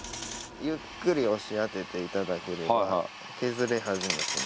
ゆっくり押し当てていただければ削れ始めて。